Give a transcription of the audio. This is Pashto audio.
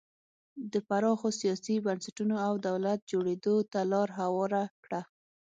د پراخو سیاسي بنسټونو او دولت جوړېدو ته لار هواره کړه.